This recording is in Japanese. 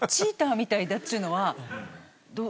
みたいだっつうのは。